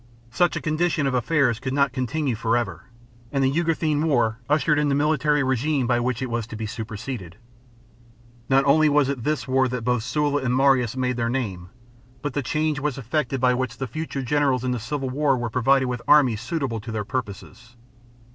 Such a condition of affairs could not continue for ever, and the Jugurthine war ushered in the military regime by which it was to be superseded. Not only was it in this war that both Sulla and Marius made their name, but the change was effected by which the future generals in the civil war were provided with armies suitable to their pur poses.